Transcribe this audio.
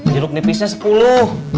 jeruk nipisnya sepuluh